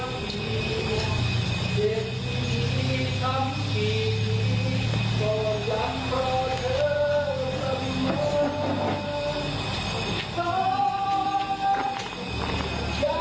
เรียนที่ที่ช่างที่นี้พอยังประเดินทันเมือง